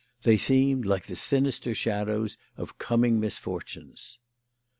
They seemed like the sinister shadows of coming misfortunes.